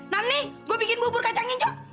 nanti gue bikin bubur kacang hijau